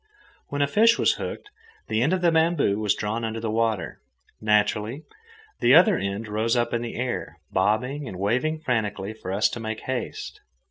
When a fish was hooked, the end of the bamboo was drawn under the water. Naturally, the other end rose up in the air, bobbing and waving frantically for us to make haste.